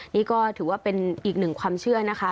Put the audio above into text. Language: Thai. นี่ก็ถือว่าเป็นอีกหนึ่งความเชื่อนะคะ